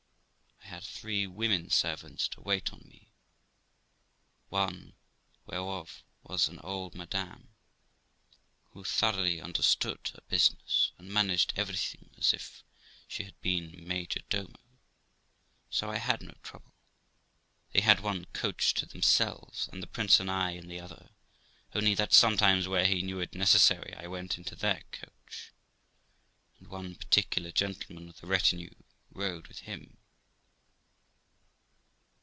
I had three women servants to wait on me, one whereof was an old Madame , who thoroughly understood her busi ness, and managed everything as if she had been major domo ; so I had no trouble. They had one coach to themselves, and the prince and I in the other; only that, sometimes, where he knew it necessary, I went into their coach, and one particular gentleman of the retinue rode with him.